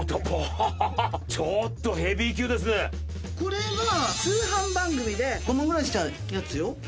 これは通販番組で５万ぐらいしたやつよ。